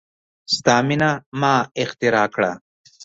ستا میینه ما اختراع کړه